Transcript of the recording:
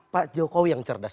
pak jokowi yang cerdas